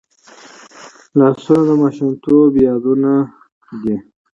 لاسونه د ماشومتوب یادونه ده